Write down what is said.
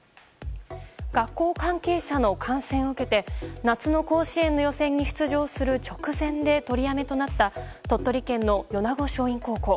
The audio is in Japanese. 学校関係者の感染を受けて夏の甲子園の予選に出場する直前で取りやめとなった鳥取県の米子松蔭高校。